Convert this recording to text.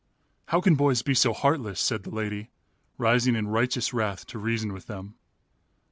"How can boys be so heartless!" said the lady, rising in righteous wrath to reason with them.